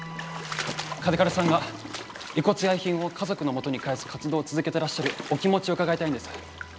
嘉手刈さんが遺骨や遺品を家族のもとに返す活動を続けてらっしゃるお気持ちを伺いたいんです。